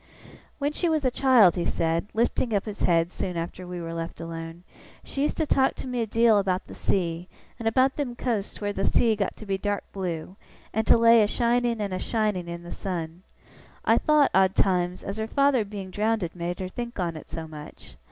'When she was a child,' he said, lifting up his head soon after we were left alone, 'she used to talk to me a deal about the sea, and about them coasts where the sea got to be dark blue, and to lay a shining and a shining in the sun. I thowt, odd times, as her father being drownded made her think on it so much.